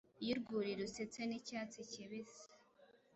iyo urwuri rusetse n'icyatsi kibisi,